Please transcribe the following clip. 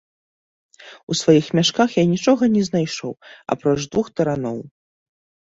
У сваіх мяшках я нічога не знайшоў, апроч двух тараноў.